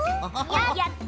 やった！